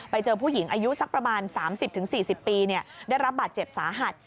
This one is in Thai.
ไปเจอผู้หญิงอายุสักประมาณ๓๐๔๐ปีได้รับบาดเจ็บสาหัส